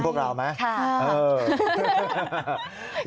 อยากไปถ้ามั้ยค่ะหรือเปล่า